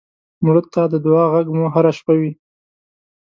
مړه ته د دعا غږ مو هر شپه وي